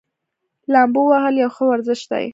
لامبو وهل یو ښه ورزش دی.